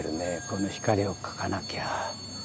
この光を描かなきゃ。